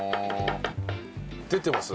出てます？